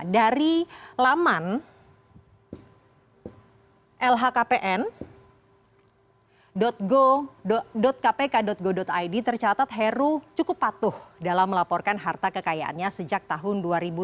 dari laman lhkpn kpk go id tercatat heru cukup patuh dalam melaporkan harta kekayaannya sejak tahun dua ribu tujuh belas